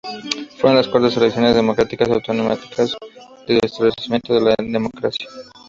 Fueron las cuartas elecciones democráticas autonómicas desde el restablecimiento de la democracia.